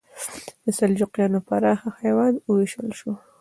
د سلجوقیانو پراخه هېواد وویشل شو.